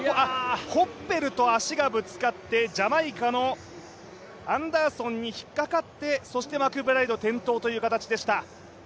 ホッペルと足がぶつかってジャマイカのアンダーソンに引っかかってそしてマクブライド、転倒という形でした。